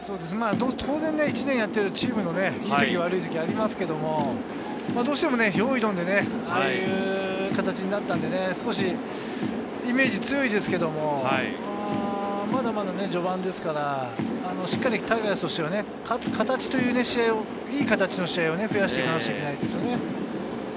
当然１年やっているとチームのいい時、悪い時ありますけど、どうしてもよいドン！でああいう形になったので、少しイメージが強いですけど、まだまだ序盤ですから、タイガースとしては勝つ形という試合を、いい形の試合を増やしていかなきゃいけないですね。